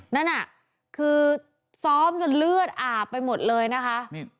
นั่นน่ะคือซ้อมจนเลือดอาบไปหมดเลยนะคะ